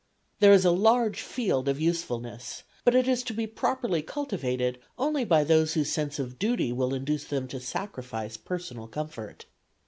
There is a large field of usefulness, but it is to be properly cultivated only by those whose sense of duty will induce them to sacrifice personal comfort.